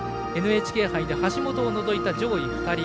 ＮＨＫ杯で橋本を除いた上位２人。